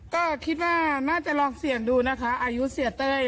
ก็คิดว่าน่าจะลองเสี่ยงดูนะคะอายุเสียเต้ย